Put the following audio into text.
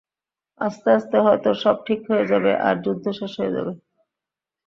আস্তে আস্তে হয়তো সব ঠিক হয়ে যাবে আর যুদ্ধ শেষ হয়ে যাবে।